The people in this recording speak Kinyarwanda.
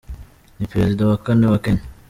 Ni Perezida wa kane wa Kenya.